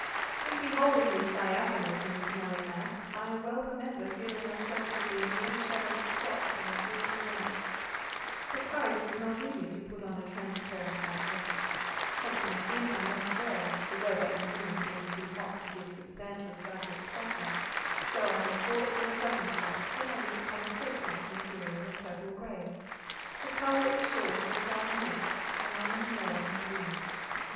In beholding this diaphanous and snowy mass, I well remember feeling myself to be a mere shadowy spot on a field of light; the courage was not in me to put on a transparent white dress: something thin I must wear—the weather and rooms being too hot to give substantial fabrics sufferance, so I had sought through a dozen shops till I lit upon a crape like material of purple gray—the colour, in short, of dun mist, lying on a moor in bloom.